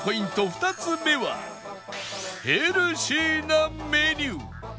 ２つ目はヘルシーなメニュー